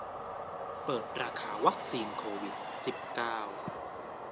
เปิดราคาวัคซีนโควิด สิบเก้า